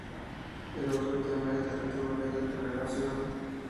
El otro tema es la categoría de relación.